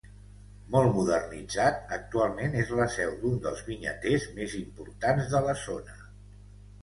Molt modernitzat, actualment és la seu d'un dels vinyaters més importants de la zona.